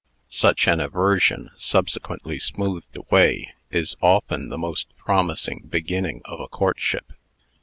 Such an aversion, subsequently smoothed away, is often the most promising beginning of a courtship.